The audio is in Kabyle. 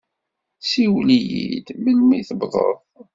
Siwel-iyi-d melmi i tewwḍeḍ.